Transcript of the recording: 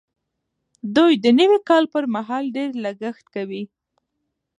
دوی د نوي کال پر مهال ډېر لګښت کوي.